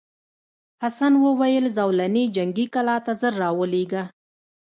حسن وویل زولنې جنګي کلا ته ژر راولېږه.